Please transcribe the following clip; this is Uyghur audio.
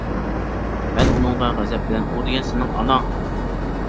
مەن ئۇنىڭغا غەزەپ بىلەن: — ئۇ دېگەن سېنىڭ ئاناڭ!